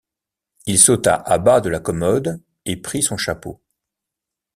Il sauta à bas de la commode et prit son chapeau.